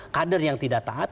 kader yang tidak taat